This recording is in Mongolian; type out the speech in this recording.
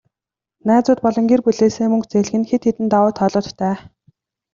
Найзууд болон гэр бүлээсээ мөнгө зээлэх нь хэд хэдэн давуу талуудтай.